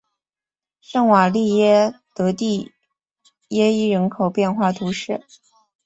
圣瓦利耶德蒂耶伊人口变化图示